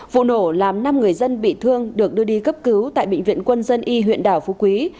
vụ nổ làm năm người dân bị thương được đưa đi cấp cứu tại bệnh viện quân dân y huyện đảo phú quý